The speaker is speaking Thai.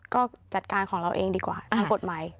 ก็จัดการของเราเองดีกว่าทั้งกฎหมาย